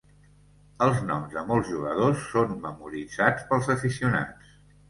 Els noms de molts jugadors són memoritzats pels aficionats.